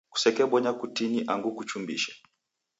Kusekebonya kutini angu kuchumbise.